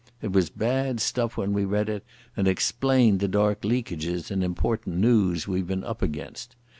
It was bad stuff when we read it, and explained the darned leakages in important noos we've been up against.